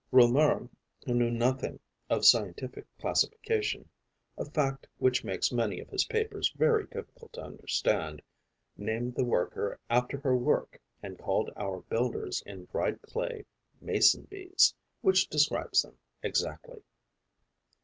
Reaumur, who knew nothing of scientific classification a fact which makes many of his papers very difficult to understand named the worker after her work and called our builders in dried clay Mason bees, which describes them exactly.